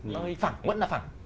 nó vẫn là phẳng